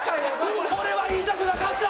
俺は言いたくなかった！